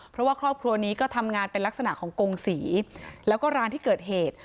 เพราะว่าครอบครัวนี้ก็ทำงานเป็นลักษณะของกงศรีแล้วก็ร้านที่เกิดเหตุ